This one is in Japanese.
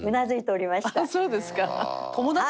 そうですか。